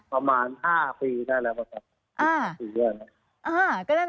ประมาณ๕ปีได้แล้วประมาณ๔๕ปีด้วย